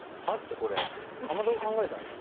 これかまどが考えたんでしょ？